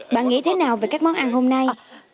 bạn nghĩ thế nào về các món ăn hôm nay